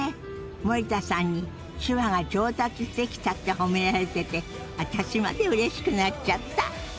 森田さんに手話が上達してきたって褒められてて私までうれしくなっちゃった！